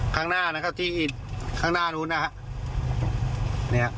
ข้างหน้าที่ข้างหน้านู้นนะครับ